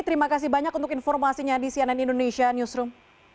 terima kasih banyak untuk informasinya di cnn indonesia newsroom